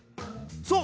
そう！